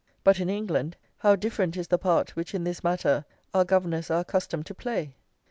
But in England how different is the part which in this matter our governors are accustomed to play!